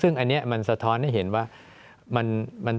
ซึ่งอันนี้มันสะท้อนให้เห็นว่า